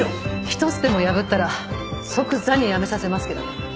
一つでも破ったら即座に辞めさせますけどね。